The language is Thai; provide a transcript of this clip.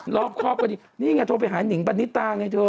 รอบคอบไปนี่ไงโทรไปหานิงปันนิตราไงโทร